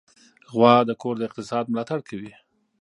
غوا د کور د اقتصاد ملاتړ کوي.